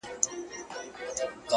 در جارېږمه سپوږمیه راته ووایه په مینه-